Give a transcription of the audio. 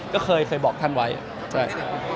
ก็เคยบอกท่านไว้ใช่